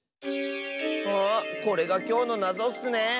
あこれがきょうのなぞッスね！